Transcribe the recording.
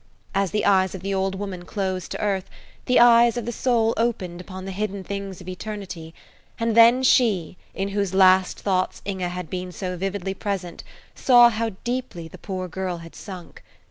As the eyes of the old woman closed to earth, the eyes of the soul opened upon the hidden things of eternity, and then she, in whose last thoughts Inge had been so vividly present, saw how deeply the poor girl had sunk.